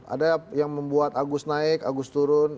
ada yang membuat agus naik agus turun